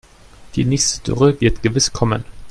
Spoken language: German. Die nächste Dürre wird gewiss kommen.